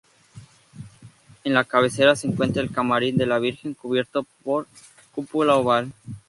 En la cabecera se encuentra el camarín de la Virgen, cubierto por cúpula oval.